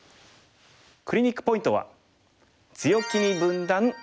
クリニックポイントは。